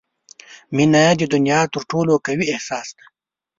• مینه د دنیا تر ټولو قوي احساس دی.